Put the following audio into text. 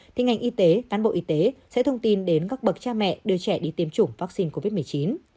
thì ngành y tế cán bộ y tế sẽ thông tin đến các bậc cha mẹ đưa trẻ đi tiêm chủng vaccine covid một mươi chín